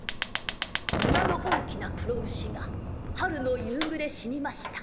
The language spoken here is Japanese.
「村の大きな黒牛が春の夕ぐれ死にました